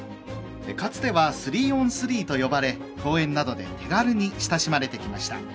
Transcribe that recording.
かつては３オン３と呼ばれ公園などで手軽に親しまれてきました。